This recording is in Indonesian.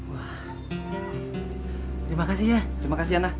wah terima kasih ya terima kasih anah